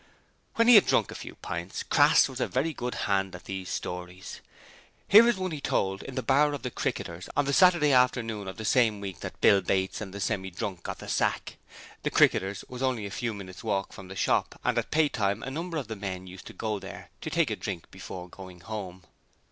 When he had drunk a few pints, Crass was a very good hand at these stories. Here is one that he told in the bar of the Cricketers on the Saturday afternoon of the same week that Bill Bates and the Semi drunk got the sack. The Cricketers was only a few minutes walk from the shop and at pay time a number of the men used to go in there to take a drink before going home.